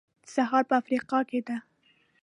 سهارا په افریقا کې ده.